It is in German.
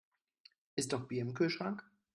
Ist noch Bier im Kühlschrank?